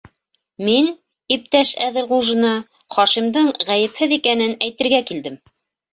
Мин, иптәш Әҙелғужина, Хашимдың ғәйепһеҙ икәнен әйтергә килдем.